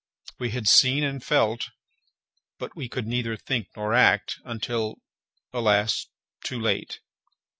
We had seen and felt, but we could neither think nor act, until, alas! too late.